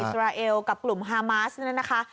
สราเอลกับกลุ่มฮามาสนั่นนะคะ